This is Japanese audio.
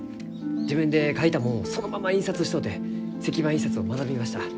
自分で描いたもんをそのまま印刷しとうて石版印刷を学びました。